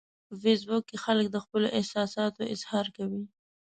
په فېسبوک کې خلک د خپلو احساساتو اظهار کوي